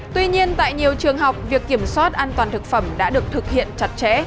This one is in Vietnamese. tuy nhiên tại nhiều trường học việc kiểm soát an toàn thực phẩm đã được thực hiện chặt chẽ